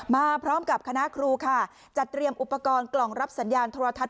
มาพร้อมกับคณะครูค่ะจัดเตรียมอุปกรณ์กล่องรับสัญญาณโทรทัศน